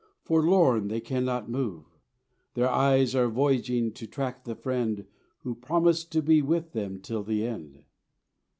Forlorn they cannot move; Their eyes are voyaging to track the Friend Who promised to be with them till the end.